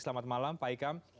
selamat malam pak ikam